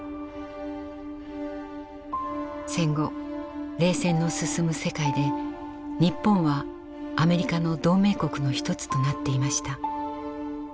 戦後冷戦の進む世界で日本はアメリカの同盟国の一つとなっていました。